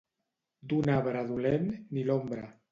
D'un arbre dolent, ni l'ombra.